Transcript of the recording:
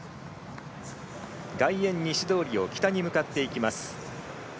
外苑西通りを北に向かっていきます。